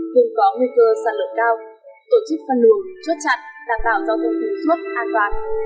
tương có nguy cơ sản lợi cao tổ chức phân đường chốt chặn đảm bảo giao thông thủ xuất an toàn